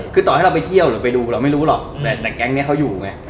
คือต่อให้เราไปเที่ยวหรือไปดูเราไม่รู้หรอกแต่แก๊งนี้เขาอยู่ไง